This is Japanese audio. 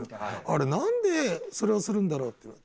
あれなんでそれをするんだろう？っていう。